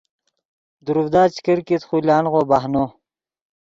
دروڤدا چے کرکیت خو لانغو بہنو